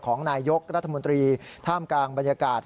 นายกรัฐมนตรีท่ามกลางบรรยากาศ